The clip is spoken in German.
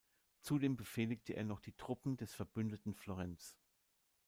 Zudem befehligte er noch die Truppen des Verbündeten Florenz.